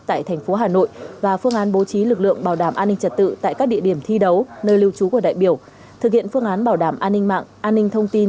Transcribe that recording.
tại thành phố hà nội và phương án bố trí lực lượng bảo đảm an ninh trật tự tại các địa điểm thi đấu nơi lưu trú của đại biểu